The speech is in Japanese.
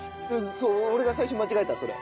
そう俺が最初に間違えたそれ。